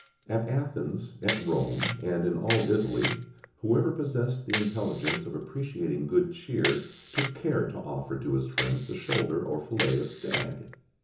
At Athens, at Rome, and in all Italy, whoever possessed the intelligence of appreciating good cheer, took care to offer to his friends the shoulder or fillet of stag.